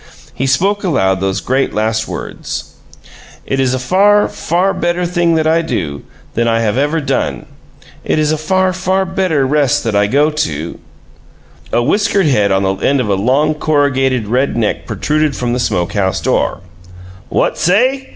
He spoke aloud those great last words: "It is a far, far better thing that I do, than I have ever done; it is a far, far better rest that I go to " A whiskered head on the end of a long, corrugated red neck protruded from the smokehouse door. "What say?"